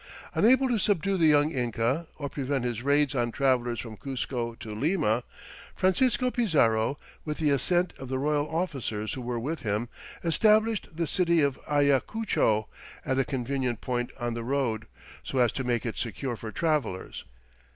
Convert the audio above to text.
Unable to subdue the young Inca or prevent his raids on travelers from Cuzco to Lima, Francisco Pizarro, "with the assent of the royal officers who were with him," established the city of Ayacucho at a convenient point on the road, so as to make it secure for travelers.